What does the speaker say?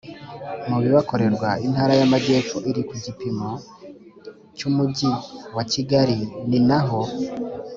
mu bibakorerwa Intara y Amajyepfo iri ku gipimo cya Umujyi wa Kigali ni naho